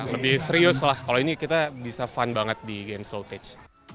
lebih serius lah kalau ini kita bisa fun banget di game show page